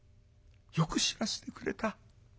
よく知らしてくれた。